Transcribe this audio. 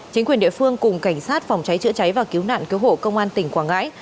chính quyền địa phương cùng cảnh sát phòng cháy chữa cháy và cứu nạn cứu hộ công an tỉnh quảng ngãi